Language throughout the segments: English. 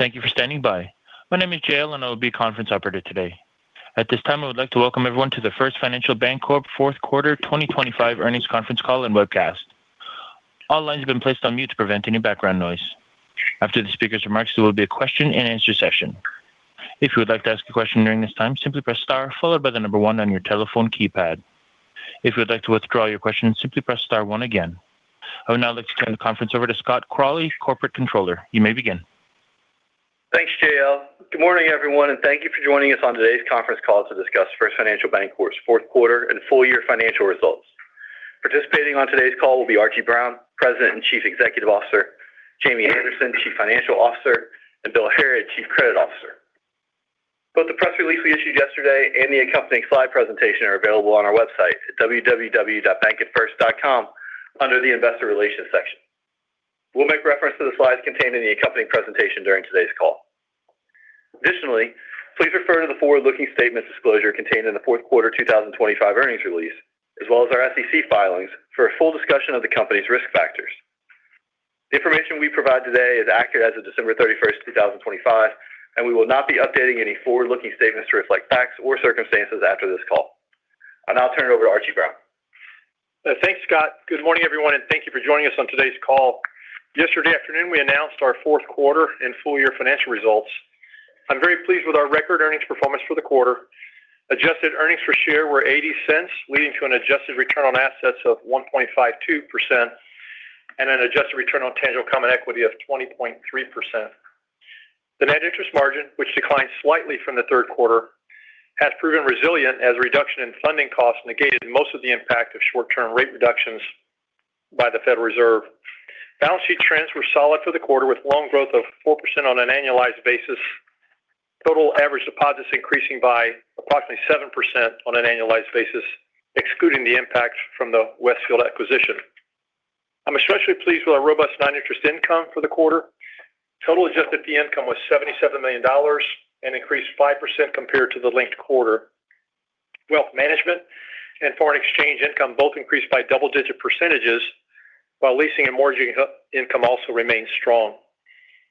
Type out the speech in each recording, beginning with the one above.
Thank you for standing by. My name is Jale, and I will be your conference operator today. At this time, I would like to welcome everyone to the First Financial Bancorp Fourth Quarter 2025 Earnings conference call and Webcast. All lines have been placed on mute to prevent any background noise. After the speaker's remarks, there will be a question-and-answer session. If you would like to ask a question during this time, simply press star followed by the number one on your telephone keypad. If you would like to withdraw your question, simply press star one again. I would now like to turn the conference over to Scott Crawley, Corporate Controller. You may begin. Thanks, Jale. Good morning, everyone, and thank you for joining us on today's conference call to discuss First Financial Bancorp's fourth quarter and full-year financial results. Participating on today's call will be Archie Brown, President and Chief Executive Officer; Jamie Anderson, Chief Financial Officer; and Bill Harrod, Chief Credit Officer. Both the press release we issued yesterday and the accompanying slide presentation are available on our website at www.bankatfirst.com under the Investor Relations section. We'll make reference to the slides contained in the accompanying presentation during today's call. Additionally, please refer to the forward-looking statements disclosure contained in the Fourth Quarter 2025 Earnings release, as well as our SEC filings, for a full discussion of the company's risk factors. The information we provide today is accurate as of December 31, 2025, and we will not be updating any forward-looking statements to reflect facts or circumstances after this call. I'll now turn it over to Archie Brown. Thanks, Scott. Good morning, everyone, and thank you for joining us on today's call. Yesterday afternoon, we announced our fourth quarter and full-year financial results. I'm very pleased with our record earnings performance for the quarter. Adjusted earnings per share were $0.80, leading to an adjusted return on assets of 1.52% and an adjusted return on tangible common equity of 20.3%. The net interest margin, which declined slightly from the third quarter, has proven resilient as reduction in funding costs negated most of the impact of short-term rate reductions by the Federal Reserve. Balance sheet trends were solid for the quarter, with loan growth of 4% on an annualized basis, total average deposits increasing by approximately 7% on an annualized basis, excluding the impact from the Westfield acquisition. I'm especially pleased with our robust non-interest income for the quarter. Total adjusted fee income was $77 million and increased 5% compared to the linked quarter. Wealth management and foreign exchange income both increased by double-digit percentages, while leasing and mortgage income also remained strong.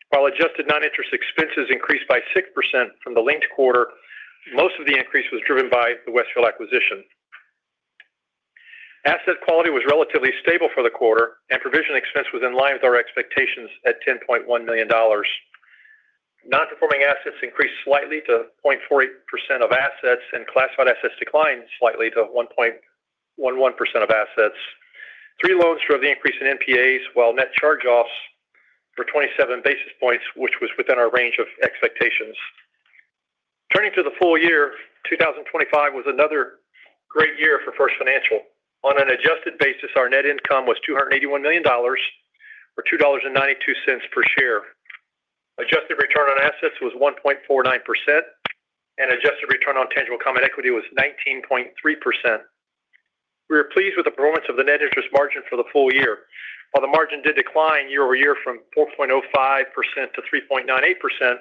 While adjusted non-interest expenses increased by 6% from the linked quarter, most of the increase was driven by the Westfield acquisition. Asset quality was relatively stable for the quarter, and provision expense was in line with our expectations at $10.1 million. Non-performing assets increased slightly to 0.48% of assets, and classified assets declined slightly to 1.11% of assets. Three loans drove the increase in NPAs, while net charge-offs were 27 basis points, which was within our range of expectations. Turning to the full year, 2025 was another great year for First Financial. On an adjusted basis, our net income was $281 million or $2.92 per share. Adjusted return on assets was 1.49%, and adjusted return on tangible common equity was 19.3%. We were pleased with the performance of the net interest margin for the full year. While the margin did decline year-over-year from 4.05% to 3.98%,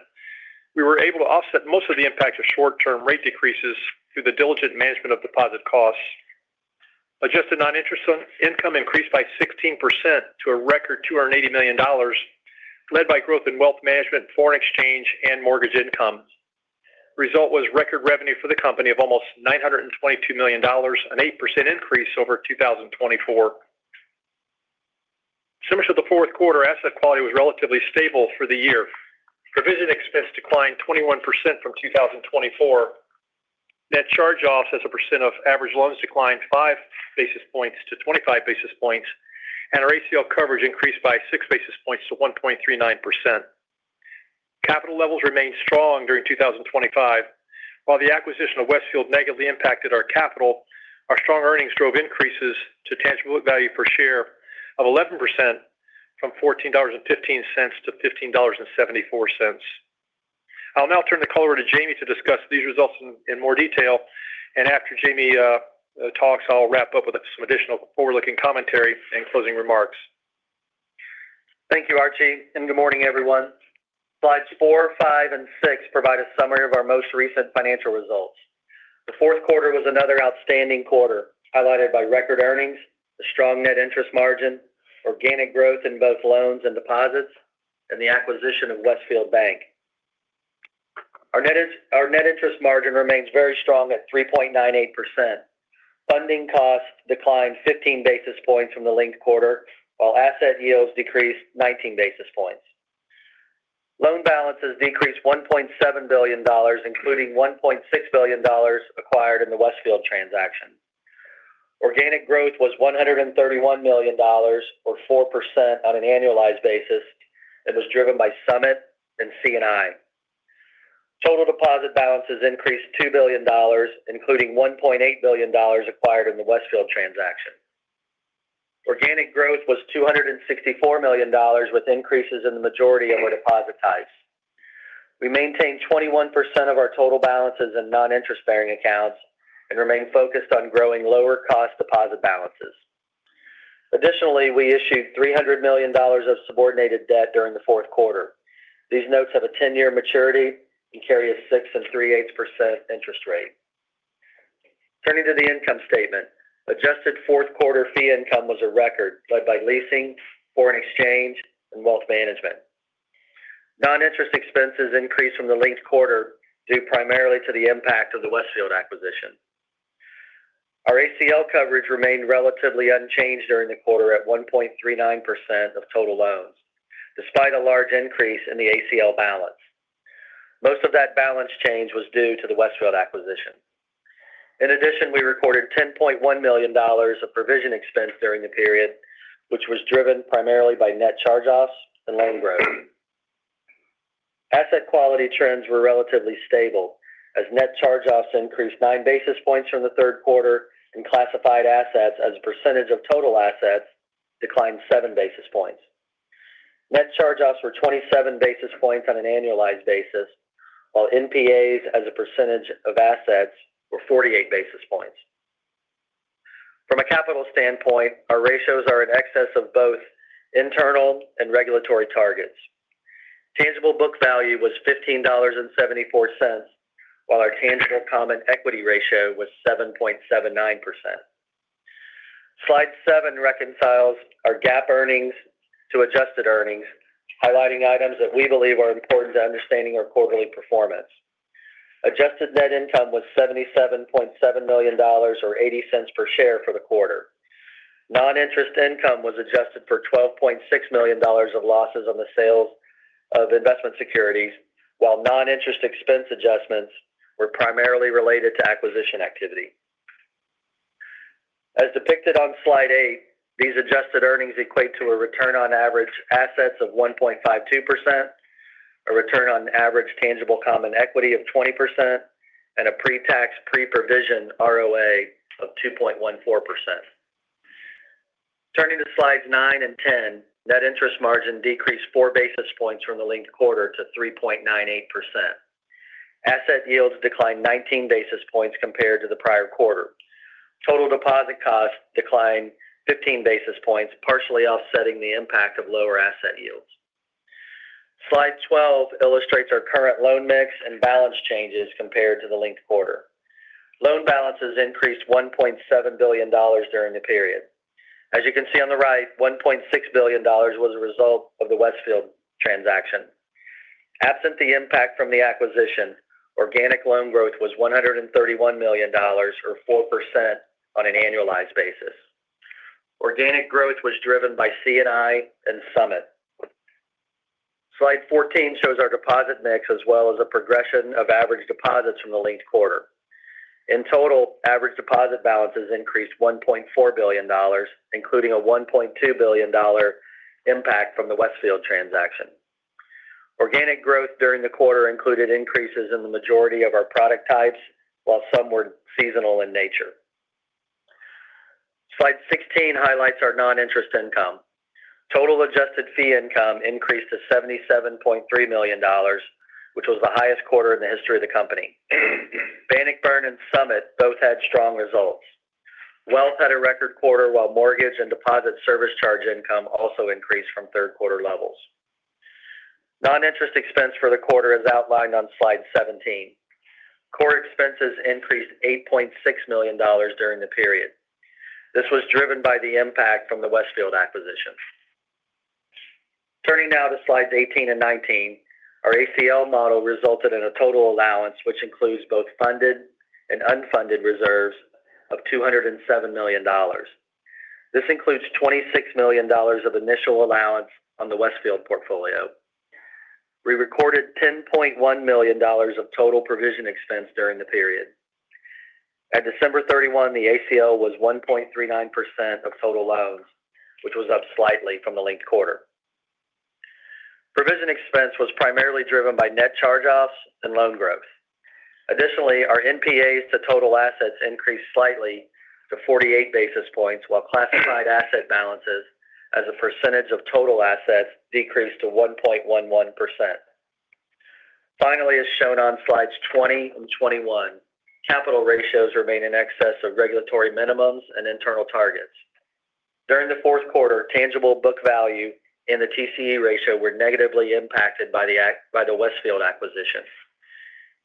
we were able to offset most of the impact of short-term rate decreases through the diligent management of deposit costs. Adjusted non-interest income increased by 16% to a record $280 million, led by growth in wealth management, foreign exchange, and mortgage income. The result was record revenue for the company of almost $922 million, an 8% increase over 2024. Similar to the fourth quarter, asset quality was relatively stable for the year. Provision expense declined 21% from 2024. Net charge-offs as a percent of average loans declined 5 basis points to 25 basis points, and our ACL coverage increased by 6 basis points to 1.39%. Capital levels remained strong during 2025. While the acquisition of Westfield negatively impacted our capital, our strong earnings drove increases to tangible value per share of 11% from $14.15 to $15.74. I'll now turn the call over to Jamie to discuss these results in more detail, and after Jamie talks, I'll wrap up with some additional forward-looking commentary and closing remarks. Thank you, Archie, and good morning, everyone. Slides 4, 5, and 6 provide a summary of our most recent financial results. The fourth quarter was another outstanding quarter, highlighted by record earnings, a strong net interest margin, organic growth in both loans and deposits, and the acquisition of Westfield Bank. Our net interest margin remains very strong at 3.98%. Funding costs declined 15 basis points from the linked quarter, while asset yields decreased 19 basis points. Loan balances decreased $1.7 billion, including $1.6 billion acquired in the Westfield transaction. Organic growth was $131 million, or 4% on an annualized basis, and was driven by Summit and C&I. Total deposit balances increased $2 billion, including $1.8 billion acquired in the Westfield transaction. Organic growth was $264 million, with increases in the majority of our deposit types. We maintained 21% of our total balances in non-interest-bearing accounts and remained focused on growing lower-cost deposit balances. Additionally, we issued $300 million of subordinated debt during the fourth quarter. These notes have a 10-year maturity and carry a 6.38% interest rate. Turning to the income statement, adjusted fourth quarter fee income was a record, led by leasing, foreign exchange, and wealth management. Non-interest expenses increased from the linked quarter due primarily to the impact of the Westfield acquisition. Our ACL coverage remained relatively unchanged during the quarter at 1.39% of total loans, despite a large increase in the ACL balance. Most of that balance change was due to the Westfield acquisition. In addition, we recorded $10.1 million of provision expense during the period, which was driven primarily by net charge-offs and loan growth. Asset quality trends were relatively stable, as net charge-offs increased 9 basis points from the third quarter, and classified assets, as a percentage of total assets, declined 7 basis points. Net charge-offs were 27 basis points on an annualized basis, while NPAs, as a percentage of assets, were 48 basis points. From a capital standpoint, our ratios are in excess of both internal and regulatory targets. Tangible book value was $15.74, while our tangible common equity ratio was 7.79%. Slide 7 reconciles our GAAP earnings to adjusted earnings, highlighting items that we believe are important to understanding our quarterly performance. Adjusted net income was $77.7 million, or $0.80 per share, for the quarter. Non-interest income was adjusted for $12.6 million of losses on the sales of investment securities, while non-interest expense adjustments were primarily related to acquisition activity. As depicted on Slide 8, these adjusted earnings equate to a return on average assets of 1.52%, a return on average tangible common equity of 20%, and a pre-tax pre-provision ROA of 2.14%. Turning to Slides 9 and 10, net interest margin decreased 4 basis points from the linked quarter to 3.98%. Asset yields declined 19 basis points compared to the prior quarter. Total deposit costs declined 15 basis points, partially offsetting the impact of lower asset yields. Slide 12 illustrates our current loan mix and balance changes compared to the linked quarter. Loan balances increased $1.7 billion during the period. As you can see on the right, $1.6 billion was a result of the Westfield transaction. Absent the impact from the acquisition, organic loan growth was $131 million, or 4% on an annualized basis. Organic growth was driven by C&I and Summit. Slide 14 shows our deposit mix, as well as a progression of average deposits from the linked quarter. In total, average deposit balances increased $1.4 billion, including a $1.2 billion impact from the Westfield transaction. Organic growth during the quarter included increases in the majority of our product types, while some were seasonal in nature. Slide 16 highlights our non-interest income. Total adjusted fee income increased to $77.3 million, which was the highest quarter in the history of the company. Bannockburn and Summit both had strong results. Wealth had a record quarter, while mortgage and deposit service charge income also increased from third quarter levels. Non-interest expense for the quarter is outlined on Slide 17. Core expenses increased $8.6 million during the period. This was driven by the impact from the Westfield acquisition. Turning now to Slides 18 and 19, our ACL model resulted in a total allowance, which includes both funded and unfunded reserves of $207 million. This includes $26 million of initial allowance on the Westfield portfolio. We recorded $10.1 million of total provision expense during the period. At December 31, the ACL was 1.39% of total loans, which was up slightly from the linked quarter. Provision expense was primarily driven by net charge-offs and loan growth. Additionally, our NPAs to total assets increased slightly to 48 basis points, while classified asset balances as a percentage of total assets decreased to 1.11%. Finally, as shown on Slides 20 and 21, capital ratios remain in excess of regulatory minimums and internal targets. During the fourth quarter, tangible book value and the TCE ratio were negatively impacted by the Westfield acquisition.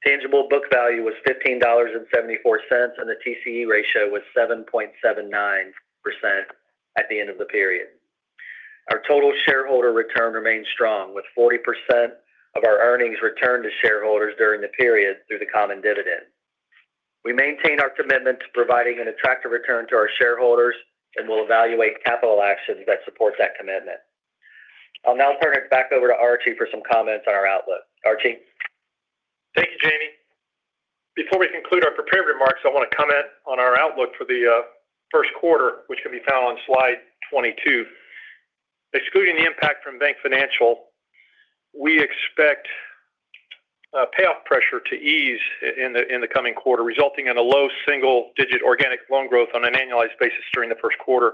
Tangible book value was $15.74, and the TCE ratio was 7.79% at the end of the period. Our total shareholder return remained strong, with 40% of our earnings returned to shareholders during the period through the common dividend. We maintain our commitment to providing an attractive return to our shareholders and will evaluate capital actions that support that commitment. I'll now turn it back over to Archie for some comments on our outlook. Archie? Thank you, Jamie. Before we conclude our prepared remarks, I want to comment on our outlook for the first quarter, which can be found on Slide 22. Excluding the impact from BankFinancial, we expect payoff pressure to ease in the coming quarter, resulting in a low single-digit organic loan growth on an annualized basis during the first quarter.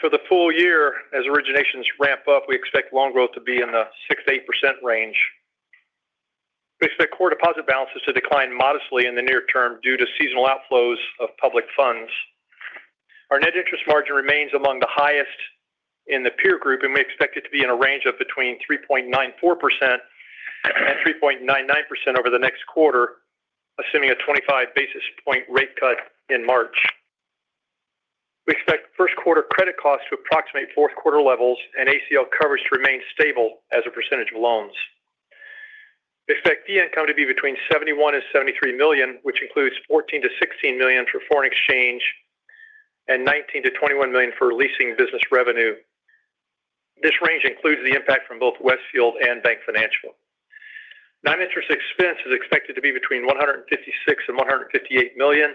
For the full year, as originations ramp up, we expect loan growth to be in the 6%-8% range. We expect core deposit balances to decline modestly in the near term due to seasonal outflows of public funds. Our net interest margin remains among the highest in the peer group, and we expect it to be in a range of between 3.94% and 3.99% over the next quarter, assuming a 25 basis point rate cut in March. We expect first quarter credit costs to approximate fourth quarter levels and ACL coverage to remain stable as a percentage of loans. We expect fee income to be between $71-$73 million, which includes $14-$16 million for foreign exchange and $19-$21 million for leasing business revenue. This range includes the impact from both Westfield and BankFinancial. Non-interest expense is expected to be between $156-$158 million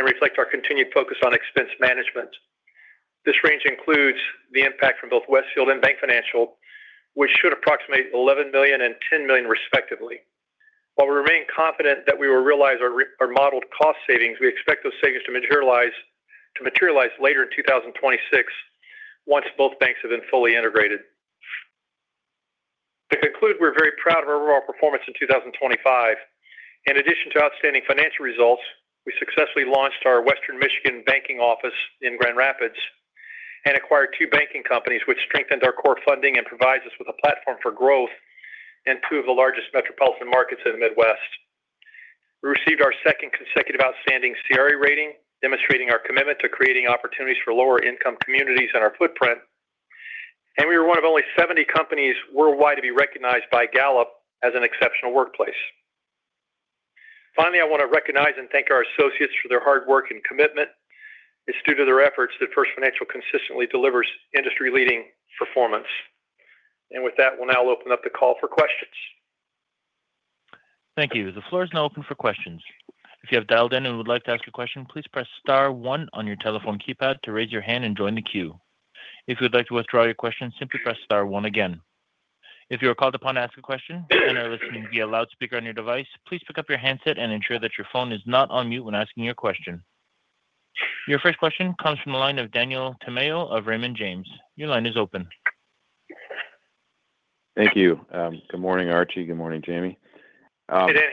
and reflect our continued focus on expense management. This range includes the impact from both Westfield and BankFinancial, which should approximate $11 million and $10 million, respectively. While we remain confident that we will realize our modeled cost savings, we expect those savings to materialize later in 2026 once both banks have been fully integrated. To conclude, we're very proud of our overall performance in 2025. In addition to outstanding financial results, we successfully launched our Western Michigan banking office in Grand Rapids and acquired two banking companies, which strengthened our core funding and provides us with a platform for growth in two of the largest metropolitan markets in the Midwest. We received our second consecutive outstanding CRA rating, demonstrating our commitment to creating opportunities for lower-income communities and our footprint, and we were one of only 70 companies worldwide to be recognized by Gallup as an exceptional workplace. Finally, I want to recognize and thank our associates for their hard work and commitment. It's due to their efforts that First Financial consistently delivers industry-leading performance. With that, we'll now open up the call for questions. Thank you. The floor is now open for questions. If you have dialed in and would like to ask a question, please press Star 1 on your telephone keypad to raise your hand and join the queue. If you would like to withdraw your question, simply press Star 1 again. If you are called upon to ask a question and are listening via loudspeaker on your device, please pick up your handset and ensure that your phone is not on mute when asking your question. Your first question comes from the line of Daniel Tamayo of Raymond James. Your line is open. Thank you. Good morning, Archie. Good morning, Jamie. Good day.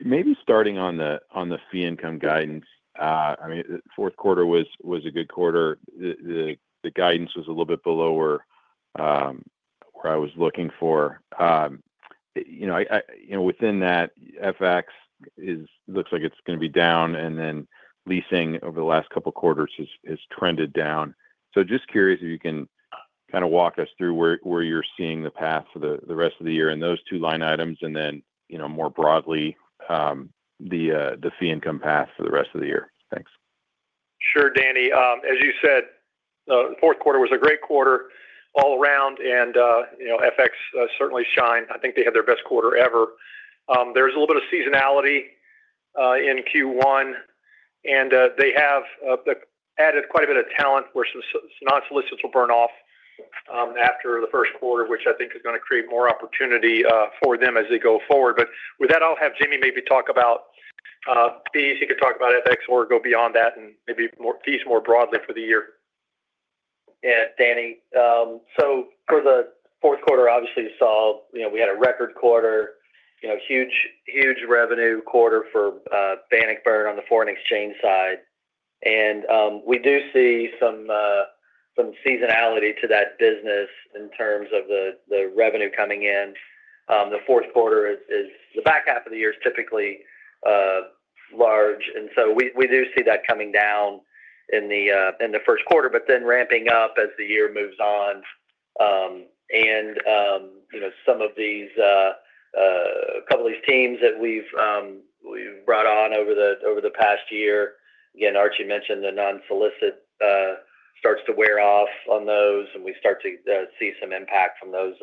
Maybe starting on the fee income guidance, I mean, the fourth quarter was a good quarter. The guidance was a little bit below where I was looking for. Within that, FX looks like it's going to be down, and then leasing over the last couple of quarters has trended down. So just curious if you can kind of walk us through where you're seeing the path for the rest of the year in those two line items, and then more broadly, the fee income path for the rest of the year? Thanks. Sure, Danny. As you said, the fourth quarter was a great quarter all around, and FX certainly shined. I think they had their best quarter ever. There's a little bit of seasonality in Q1, and they have added quite a bit of talent where some non-solicits will burn off after the first quarter, which I think is going to create more opportunity for them as they go forward. With that, I'll have Jamie maybe talk about fees. He could talk about FX or go beyond that and maybe fees more broadly for the year. Yeah, Danny. So for the fourth quarter, obviously, you saw we had a record quarter, huge revenue quarter for Bannockburn on the foreign exchange side. And we do see some seasonality to that business in terms of the revenue coming in. The fourth quarter, the back half of the year is typically large, and so we do see that coming down in the first quarter, but then ramping up as the year moves on. And some of these a couple of these teams that we've brought on over the past year, again, Archie mentioned the non-solicit starts to wear off on those, and we start to see some impact from those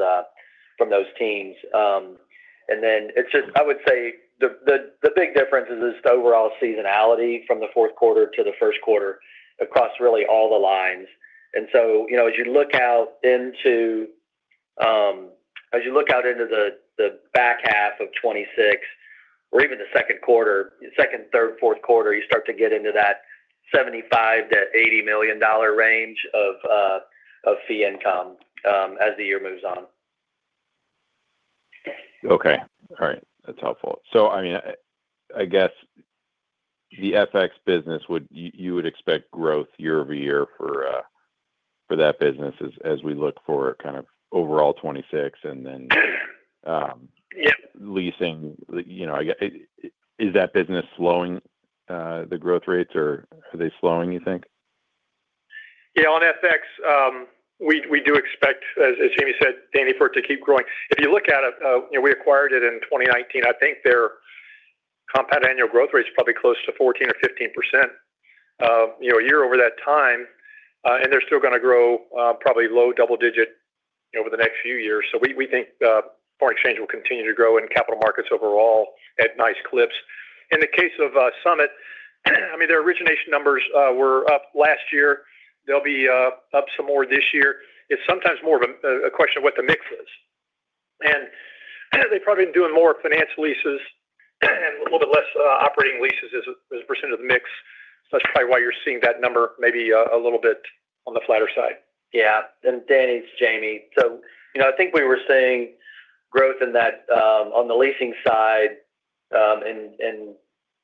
teams. And then it's just, I would say, the big difference is just the overall seasonality from the fourth quarter to the first quarter across really all the lines. And so as you look out into the back half of 2026 or even the second, third, fourth quarter, you start to get into that $75 million-$80 million range of fee income as the year moves on. Okay. All right. That's helpful. So I mean, I guess the FX business, you would expect growth year over year for that business as we look for kind of overall 2026 and then leasing. Is that business slowing the growth rates, or are they slowing, you think? Yeah. On FX, we do expect, as Jamie said, Danny, for it to keep growing. If you look at it, we acquired it in 2019. I think their compound annual growth rate is probably close to 14% or 15% a year over that time, and they're still going to grow probably low double-digit over the next few years. So we think foreign exchange will continue to grow and capital markets overall at nice clips. In the case of Summit, I mean, their origination numbers were up last year. They'll be up some more this year. It's sometimes more of a question of what the mix is. And they probably have been doing more finance leases and a little bit less operating leases as a percent of the mix. That's probably why you're seeing that number maybe a little bit on the flatter side. Yeah. And Dan, it's Jamie. So I think we were seeing growth on the leasing side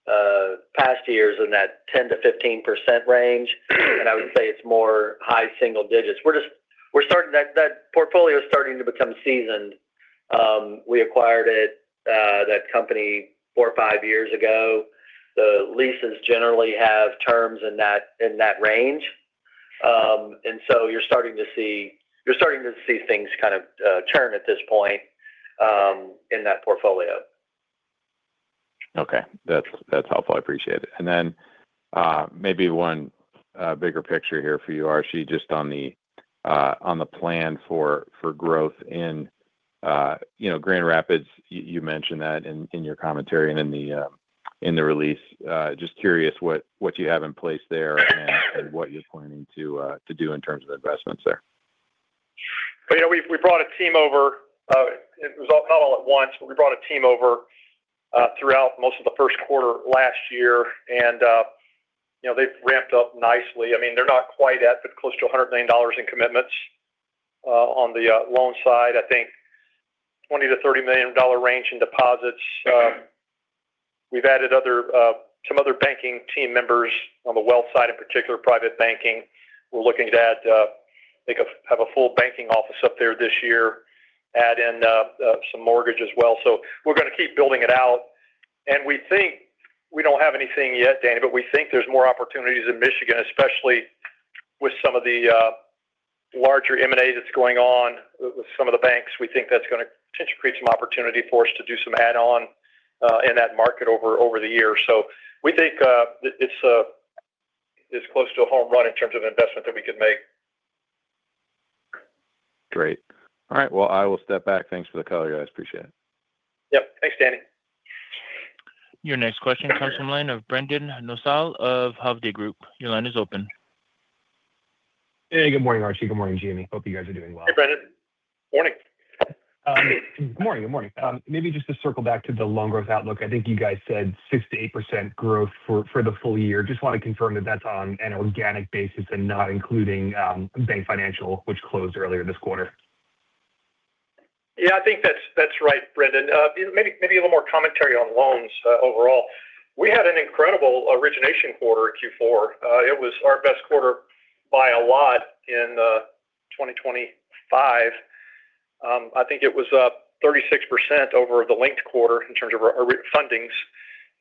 in past years in that 10%-15% range, and I would say it's more high single digits. We're starting that portfolio is starting to become seasoned. We acquired that company four or five years ago. The leases generally have terms in that range. And so you're starting to see you're starting to see things kind of turn at this point in that portfolio. Okay. That's helpful. I appreciate it. And then maybe one bigger picture here for you, Archie, just on the plan for growth in Grand Rapids. You mentioned that in your commentary and in the release. Just curious what you have in place there and what you're planning to do in terms of investments there. We brought a team over. It was not all at once, but we brought a team over throughout most of the first quarter last year, and they've ramped up nicely. I mean, they're not quite at, but close to $100 million in commitments on the loan side. I think $20-$30 million range in deposits. We've added some other banking team members on the wealth side, in particular private banking. We're looking to have a full banking office up there this year, add in some mortgage as well. So we're going to keep building it out. And we think we don't have anything yet, Danny, but we think there's more opportunities in Michigan, especially with some of the larger M&A that's going on with some of the banks. We think that's going to potentially create some opportunity for us to do some add-on in that market over the year. We think it's close to a home run in terms of investment that we could make. Great. All right. Well, I will step back. Thanks for the call, guys. Appreciate it. Yep. Thanks, Danny. Your next question comes from the line of Brendan Nosal of Hovde Group. Your line is open. Hey. Good morning, Archie. Good morning, Jamie. Hope you guys are doing well. Hey, Brendan. Morning. Good morning. Good morning. Maybe just to circle back to the loan growth outlook, I think you guys said 6%-8% growth for the full year. Just want to confirm that that's on an organic basis and not including BankFinancial, which closed earlier this quarter. Yeah. I think that's right, Brendan. Maybe a little more commentary on loans overall. We had an incredible origination quarter in Q4. It was our best quarter by a lot in 2025. I think it was 36% over the linked quarter in terms of fundings.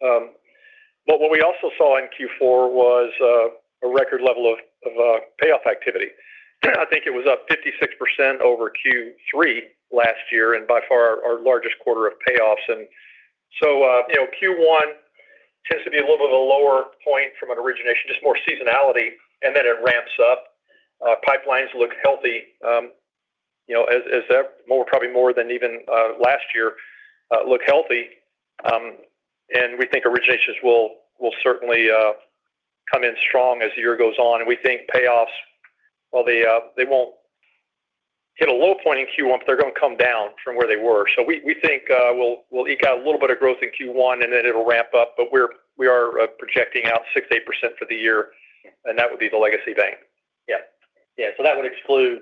But what we also saw in Q4 was a record level of payoff activity. I think it was up 56% over Q3 last year and by far our largest quarter of payoffs. \And so Q1 tends to be a little bit of a lower point from an origination, just more seasonality, and then it ramps up. Pipelines look healthy, as probably more than even last year, look healthy. And we think originations will certainly come in strong as the year goes on. And we think payoffs, while they won't hit a low point in Q1, but they're going to come down from where they were. So we think we'll eke out a little bit of growth in Q1, and then it'll ramp up. But we are projecting out 6%-8% for the year, and that would be the legacy bank. Yeah. Yeah. So that would exclude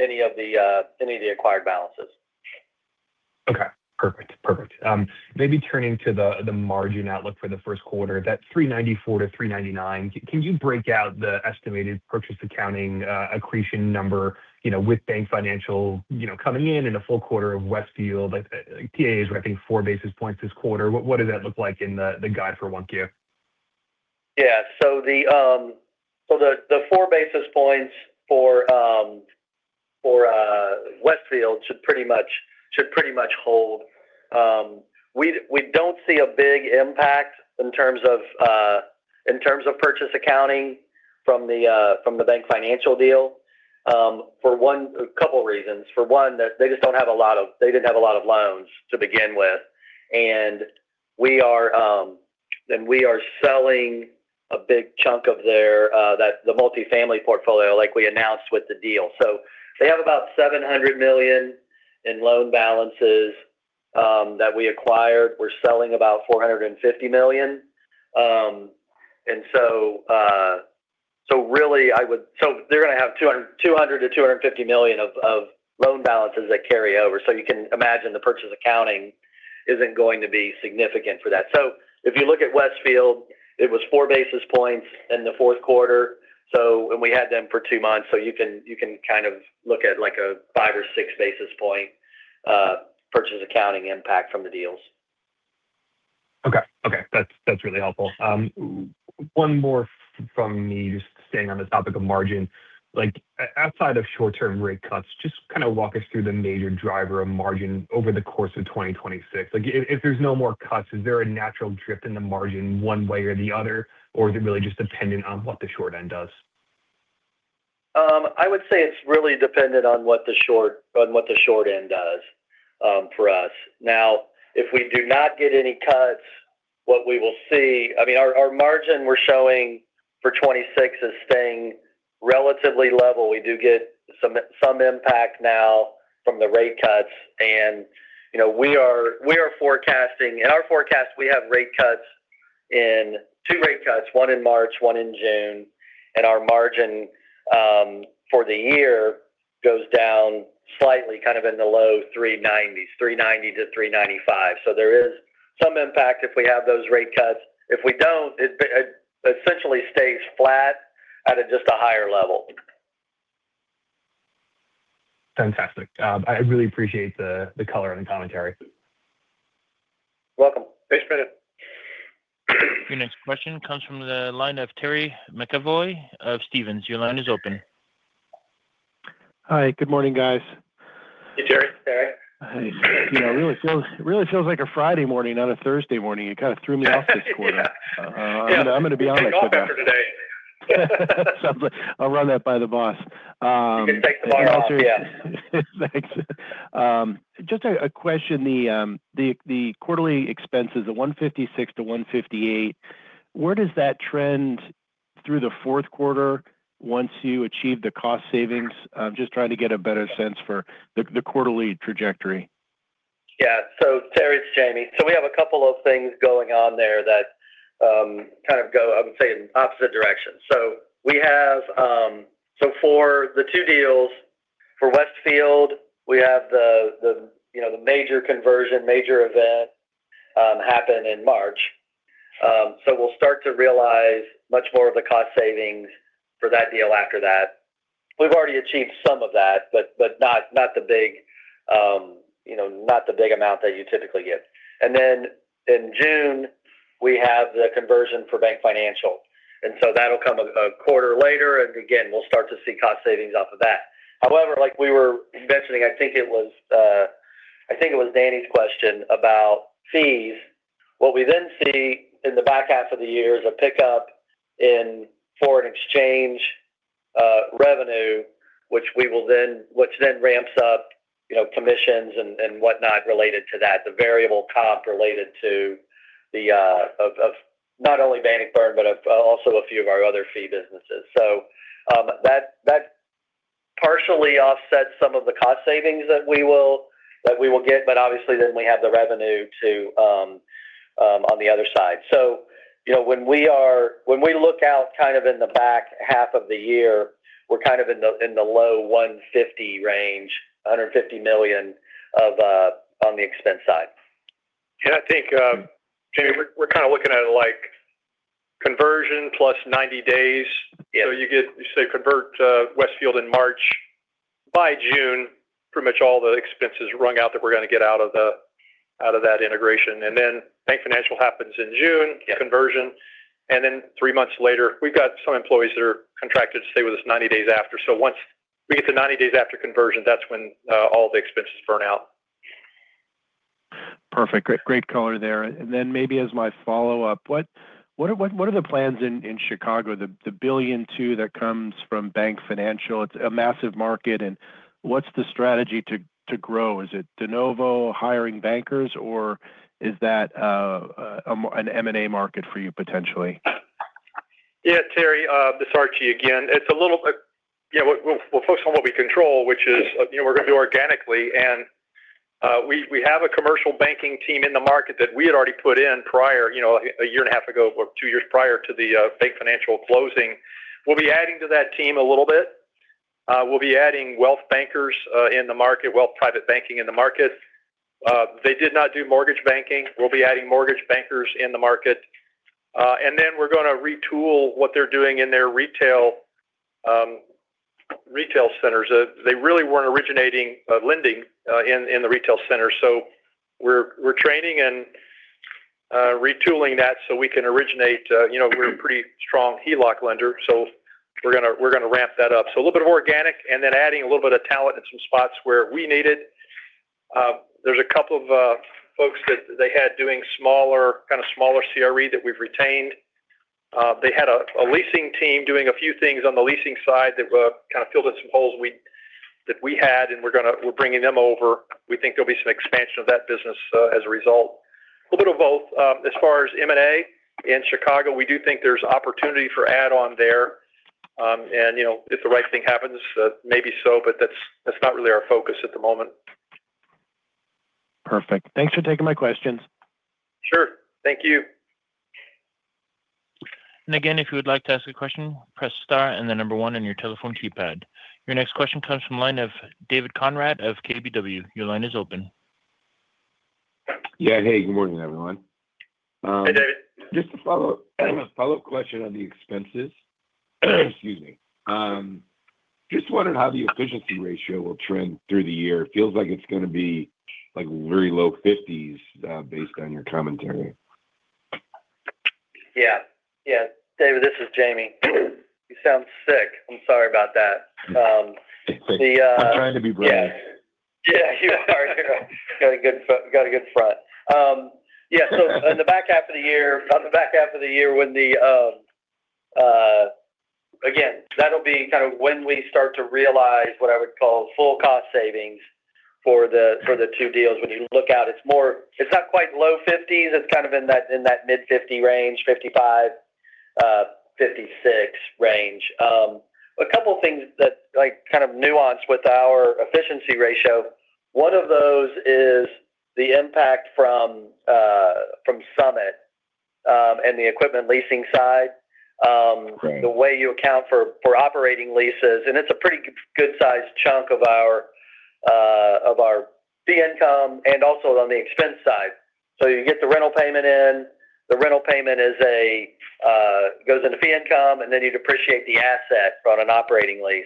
any of the acquired balances. Okay. Perfect. Perfect. Maybe turning to the margin outlook for the first quarter, that $394-$399. Can you break out the estimated purchase accounting accretion number with BankFinancial coming in and a full quarter of Westfield? PA is wrapping 4 basis points this quarter. What does that look like in the guide for 1Q? Yeah. So the four basis points for Westfield should pretty much hold. We don't see a big impact in terms of purchase accounting from the BankFinancial deal for a couple of reasons. For one, they didn't have a lot of loans to begin with. And we are selling a big chunk of the multifamily portfolio like we announced with the deal. So they have about $700 million in loan balances that we acquired. We're selling about $450 million. And so really, they're going to have $200 million-$250 million of loan balances that carry over. So you can imagine the purchase accounting isn't going to be significant for that. So if you look at Westfield, it was four basis points in the fourth quarter. And we had them for two months. You can kind of look at like a 5 or 6 basis points purchase accounting impact from the deals. Okay. Okay. That's really helpful. One more from me, just staying on the topic of margin. Outside of short-term rate cuts, just kind of walk us through the major driver of margin over the course of 2026. If there's no more cuts, is there a natural drift in the margin one way or the other, or is it really just dependent on what the short end does? I would say it's really dependent on what the short end does for us. Now, if we do not get any cuts, what we will see I mean, our margin we're showing for 2026 is staying relatively level. We do get some impact now from the rate cuts. We are forecasting in our forecast, we have rate cuts in 2 rate cuts, 1 in March, 1 in June. Our margin for the year goes down slightly, kind of in the low 390s, 390-395. So there is some impact if we have those rate cuts. If we don't, it essentially stays flat at just a higher level. Fantastic. I really appreciate the color and the commentary. Welcome. Thanks, Brendan. Your next question comes from the line of Terry McEvoy of Stephens. Your line is open. Hi. Good morning, guys. Hey, Terry. Terry. Hey. Yeah. It really feels like a Friday morning, not a Thursday morning. You kind of threw me off this quarter. I'm going to be honest with you. I'll run that for today. Sounds like I'll run that by the boss. You can take tomorrow, yeah. Thanks. Just a question. The quarterly expenses, the $156-$158, where does that trend through the fourth quarter once you achieve the cost savings? I'm just trying to get a better sense for the quarterly trajectory. Yeah. So, Terry, it's Jamie. So we have a couple of things going on there that kind of go, I would say, in opposite directions. So for the two deals for Westfield, we have the major conversion, major event happen in March. So we'll start to realize much more of the cost savings for that deal after that. We've already achieved some of that, but not the big not the big amount that you typically get. And then in June, we have the conversion for BankFinancial. And so that'll come a quarter later. And again, we'll start to see cost savings off of that. However, like we were mentioning, I think it was I think it was Danny's question about fees. What we then see in the back half of the year is a pickup in foreign exchange revenue, which then ramps up commissions and whatnot related to that, the variable comp related to not only Bannockburn, but also a few of our other fee businesses. So that partially offsets some of the cost savings that we will get, but obviously, then we have the revenue on the other side. So when we look out kind of in the back half of the year, we're kind of in the low 150 range, $150 million on the expense side. Yeah. I think, Jamie, we're kind of looking at it like conversion plus 90 days. So you say convert Westfield in March. By June, pretty much all the expenses run out that we're going to get out of that integration. And then BankFinancial happens in June, conversion. And then three months later, we've got some employees that are contracted to stay with us 90 days after. So once we get the 90 days after conversion, that's when all the expenses burn out. Perfect. Great color there. And then maybe as my follow-up, what are the plans in Chicago, the $1.2 billion that comes from BankFinancial? It's a massive market. And what's the strategy to grow? Is it de novo, hiring bankers, or is that an M&A market for you potentially? Yeah. Terry, this is Archie again. It's a little yeah, we'll focus on what we control, which is we're going to do organically. And we have a commercial banking team in the market that we had already put in prior a year and a half ago or two years prior to the BankFinancial closing. We'll be adding to that team a little bit. We'll be adding wealth bankers in the market, wealth private banking in the market. They did not do mortgage banking. We'll be adding mortgage bankers in the market. And then we're going to retool what they're doing in their retail centers. They really weren't originating lending in the retail centers. So we're training and retooling that so we can originate. We're a pretty strong HELOC lender. So we're going to ramp that up. So a little bit of organic and then adding a little bit of talent in some spots where we need it. There's a couple of folks that they had doing kind of smaller CRE that we've retained. They had a leasing team doing a few things on the leasing side that kind of filled in some holes that we had, and we're bringing them over. We think there'll be some expansion of that business as a result. A little bit of both. As far as M&A in Chicago, we do think there's opportunity for add-on there. And if the right thing happens, maybe so, but that's not really our focus at the moment. Perfect. Thanks for taking my questions. Sure. Thank you. And again, if you would like to ask a question, press star and then number one on your telephone keypad. Your next question comes from line of David Konrad of KBW. Your line is open. Yeah. Hey, good morning, everyone. Hey, David. Just a follow-up question on the expenses. Excuse me. Just wondering how the efficiency ratio will trend through the year. It feels like it's going to be like very low 50s based on your commentary. Yeah. Yeah. David, this is Jamie. You sound sick. I'm sorry about that. I'm trying to be brave. Yeah. You are doing great. You got a good front. Yeah. So in the back half of the year on the back half of the year when the again, that'll be kind of when we start to realize what I would call full cost savings for the two deals when you look out. It's not quite low 50s. It's kind of in that mid-50 range, 55-56 range. A couple of things that kind of nuance with our efficiency ratio. One of those is the impact from Summit and the equipment leasing side, the way you account for operating leases. And it's a pretty good size chunk of our fee income and also on the expense side. So you get the rental payment in. The rental payment goes into fee income, and then you depreciate the asset on an operating lease.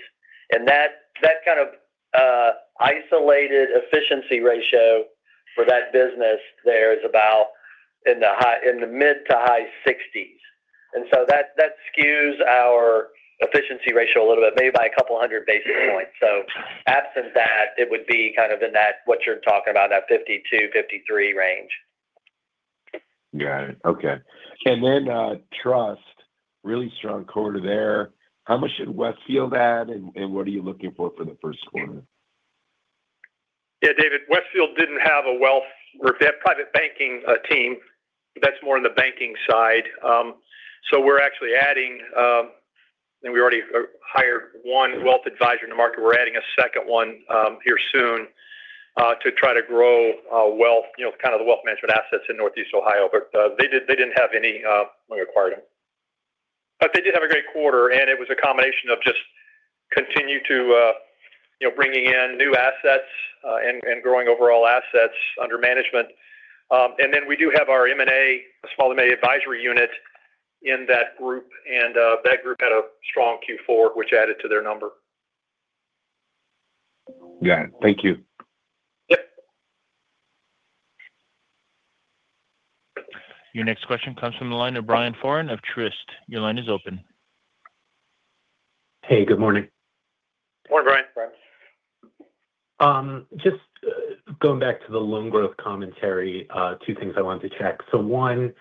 That kind of isolated efficiency ratio for that business there is about in the mid- to high 60s. So that skews our efficiency ratio a little bit, maybe by a couple hundred basis points. Absent that, it would be kind of in that what you're talking about, that 52-53 range. Got it. Okay. Then trust, really strong quarter there. How much did Westfield add, and what are you looking for for the first quarter? Yeah. David, Westfield didn't have wealth. They have a private banking team. That's more on the banking side. So we're actually adding, and we already hired one wealth advisor in the market. We're adding a second one here soon to try to grow kind of the wealth management assets in Northeast Ohio. But they didn't have any when we acquired them. But they did have a great quarter. And it was a combination of just continuing to bring in new assets and growing overall assets under management. And then we do have our M&A, a small M&A advisory unit in that group. And that group had a strong Q4, which added to their number. Got it. Thank you. Yep. Your next question comes from the line of Brian Foran of Truist Securities. Your line is open. Hey, good morning. Morning, Brian. Brian. Just going back to the loan growth commentary, two things I wanted to check. So one,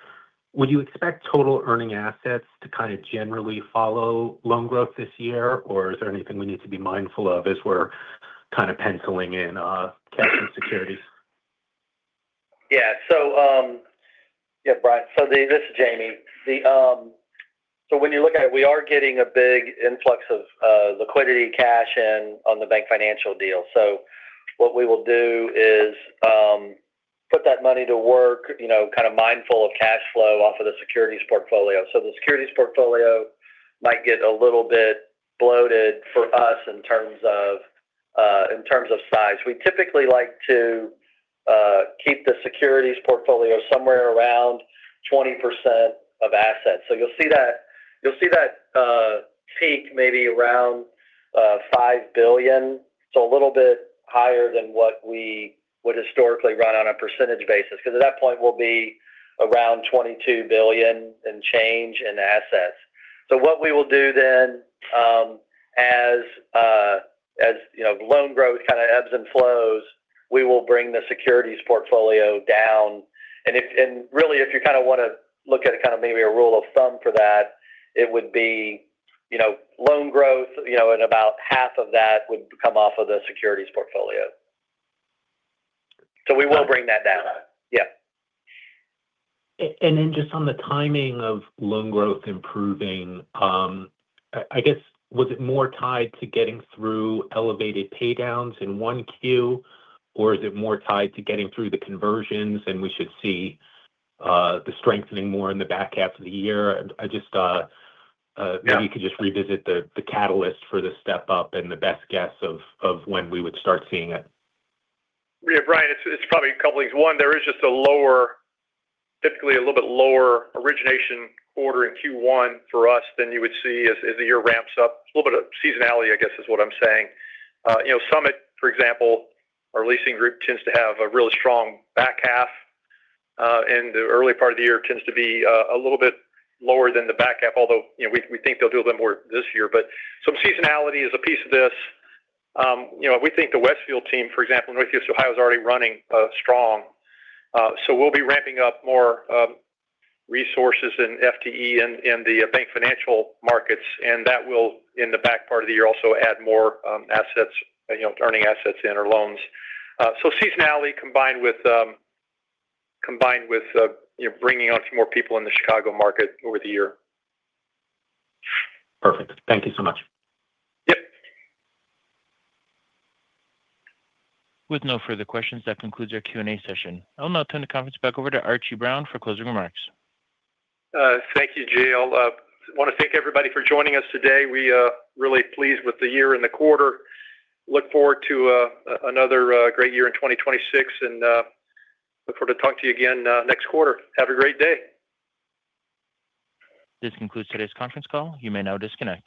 would you expect total earning assets to kind of generally follow loan growth this year, or is there anything we need to be mindful of as we're kind of penciling in cash and securities? Yeah. So yeah, Brian. So this is Jamie. So when you look at it, we are getting a big influx of liquidity, cash in on the BankFinancial deal. So what we will do is put that money to work, kind of mindful of cash flow off of the securities portfolio. So the securities portfolio might get a little bit bloated for us in terms of size. We typically like to keep the securities portfolio somewhere around 20% of assets. So you'll see that peak maybe around $5 billion. So a little bit higher than what we would historically run on a percentage basis. Because at that point, we'll be around $22 billion and change in assets. So what we will do then as loan growth kind of ebbs and flows, we will bring the securities portfolio down. And really, if you kind of want to look at kind of maybe a rule of thumb for that, it would be loan growth, and about half of that would come off of the securities portfolio. So we will bring that down. Yeah. And then just on the timing of loan growth improving, I guess, was it more tied to getting through elevated paydowns in the C&I queue, or is it more tied to getting through the conversions and we should see the strengthening more in the back half of the year? Maybe you could just revisit the catalyst for the step up and the best guess of when we would start seeing it. Yeah. Brian, it's probably a couple of things. One, there is just a lower typically a little bit lower origination order in Q1 for us than you would see as the year ramps up. A little bit of seasonality, I guess, is what I'm saying. Summit, for example, our leasing group tends to have a really strong back half. And the early part of the year tends to be a little bit lower than the back half, although we think they'll do a little bit more this year. But some seasonality is a piece of this. We think the Westfield team, for example, Northeast Ohio is already running strong. So we'll be ramping up more resources in FTE in the BankFinancial markets. And that will, in the back part of the year, also add more assets, earning assets in or loans. Seasonality combined with bringing on some more people in the Chicago market over the year. Perfect. Thank you so much. Yep. With no further questions, that concludes our Q&A session. I'll now turn the conference back over to Archie Brown for closing remarks. Thank you, Jale. I want to thank everybody for joining us today. We are really pleased with the year and the quarter. Look forward to another great year in 2026, and look forward to talking to you again next quarter. Have a great day. This concludes today's conference call. You may now disconnect.